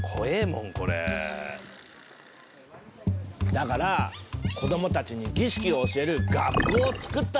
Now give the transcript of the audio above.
だから子どもたちに儀式を教える学校をつくったってわけ。